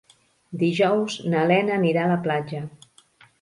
Dijous na Lena anirà a la platja.